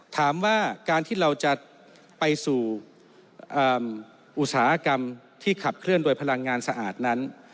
ถามว่าการที่เราจะไปสู่อุตสาหกรรมที่ขับเคลื่อนโดยพลังงานสะอาดนั้น